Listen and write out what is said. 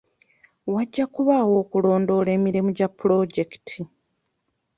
Wajja kubaawo okulondoola emirimu gya pulojekiti